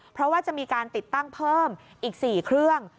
เพราะว่าจะมีการติดตั้งเพิ่มอีก๔เครื่อง